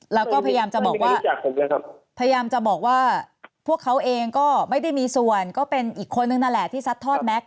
แล้วก็พยายามจะบอกว่าพยายามจะบอกว่าพวกเขาเองก็ไม่ได้มีส่วนก็เป็นอีกคนนึงนั่นแหละที่ซัดทอดแก๊ก